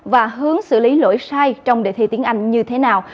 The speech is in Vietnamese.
và hướng xử lý lỗi sai trong đề thi tiếng anh như thế nào